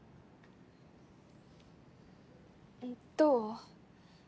どう？